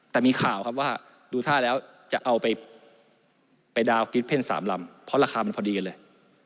แต่มีข่าวครับว่าดูท่าแล้วจะเอาไปดาวน์กิฟเพ่น๓ลำเพราะราคามันพอดีกันเลย